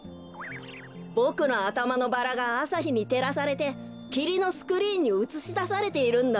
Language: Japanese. ボクのあたまのバラがあさひにてらされてきりのスクリーンにうつしだされているんだ。